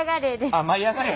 あっ「舞いあがれ！」